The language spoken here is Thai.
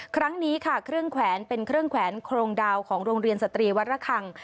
ครั้งนี้ค่ะเครื่องแขวนเป็นเครื่องแขวนโครงดาวของโรงเรียนสตรีวัดระคัง